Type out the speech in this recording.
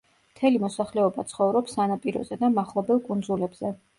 მთელი მოსახლეობა ცხოვრობს სანაპიროზე და მახლობელ კუნძულებზე.